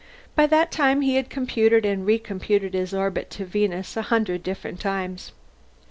By that time he had computed and recomputed his orbit to Venus a hundred different times.